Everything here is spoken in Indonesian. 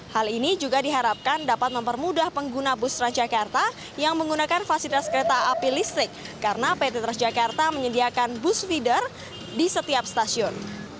hal ini juga diharapkan dapat mempermudah pengguna bus transjakarta yang menggunakan fasilitas kereta api listrik karena pt transjakarta menyediakan bus feeder di setiap stasiun